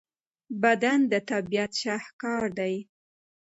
بدن د طبیعت شاهکار دی.